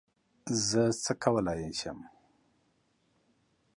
زه څه کولای یم